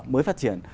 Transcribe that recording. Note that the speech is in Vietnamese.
mới phát triển